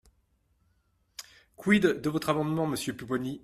Quid de votre amendement, monsieur Pupponi?